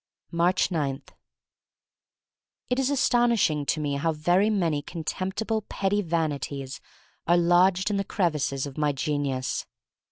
I Aatcb 9. T IS astonishing to me how very many contemptible, petty vanities are lodged in the crevices of my genius.